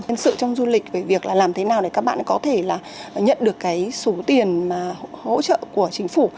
nhân sự trong du lịch về việc là làm thế nào để các bạn có thể là nhận được cái số tiền mà hỗ trợ của chính phủ